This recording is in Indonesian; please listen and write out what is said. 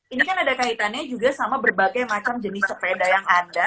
ini kan ada kaitannya juga sama berbagai macam jenis sepeda yang ada